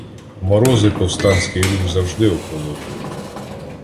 "Морози повстанський рух завжди охолоджують"